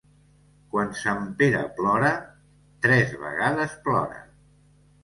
Quan Sant Pere plora, tres vegades plora.